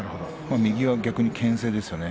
右は逆にけん制ですよね。